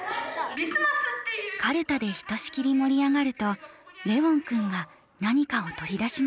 カルタでひとしきり盛り上がるとレウォン君が何かを取り出しました。